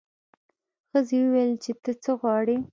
ښځې وویل چې ته څه غواړې.